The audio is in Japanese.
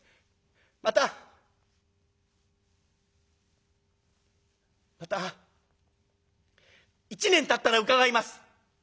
またまた一年たったら伺います」。